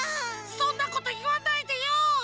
そんなこといわないでよ！